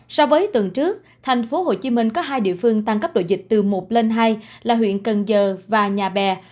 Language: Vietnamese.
so với tuần trước thành phố hồ chí minh có hai địa phương tăng cấp độ dịch từ một lên hai là huyện cần giờ và nhà bè